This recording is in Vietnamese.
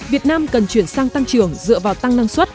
việt nam cần chuyển sang tăng trưởng dựa vào tăng năng suất